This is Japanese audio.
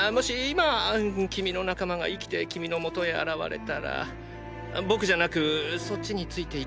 今君の仲間が生きて君の元へ現れたら僕じゃなくそっちについて行くの？